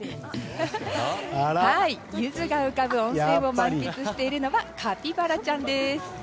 ユズが浮かぶ温泉を満喫しているのはカピバラちゃんです。